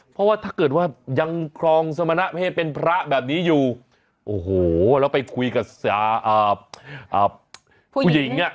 เพราะว่าถ้าเกิดว่ายังครองสมณเพศเป็นพระแบบนี้อยู่โอ้โหแล้วไปคุยกับผู้หญิงอ่ะ